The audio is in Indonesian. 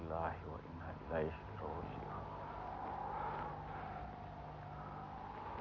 baik baiklah kau berada di sini